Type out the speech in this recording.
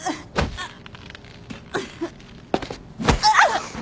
あっ。